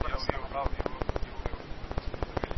د انسان حافظه د معلوماتو په تکرار ښه کېږي.